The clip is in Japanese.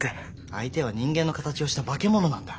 相手は人間の形をしたバケモノなんだ。